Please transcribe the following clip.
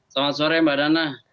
selamat sore mbak dana